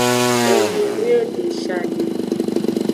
Enuyuie deshiade.